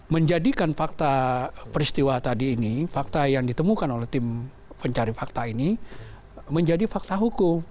menjadikan fakta peristiwa tadi ini fakta yang ditemukan oleh tim pencari fakta ini menjadi fakta hukum